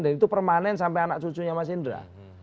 dan itu permanen sampai anak cucunya mas indra